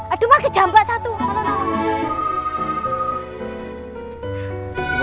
ada magajan pak satu